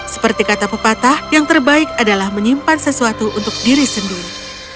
seperti kata pepatah yang terbaik adalah menyimpan sesuatu untuk diri sendiri